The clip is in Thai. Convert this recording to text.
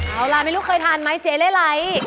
เอาล่ะไม่รู้เคยทานไหมเจ๊เล่ไร้